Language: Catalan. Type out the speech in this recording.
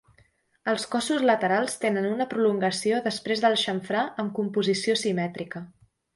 Els cossos laterals tenen una prolongació després del xamfrà amb composició simètrica.